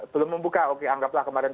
belum membuka oke anggaplah kemarin